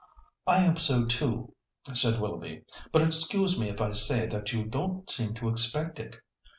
"I hope so too," said Willoughby; "but excuse me if I say that you don't seem to expect it.